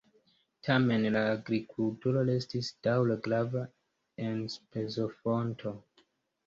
Tamen la agrikulturo restis daŭre grava enspezofonto.